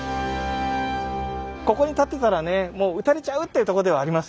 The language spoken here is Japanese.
ここに立ってたらねもう撃たれちゃうっていうとこではありますよね。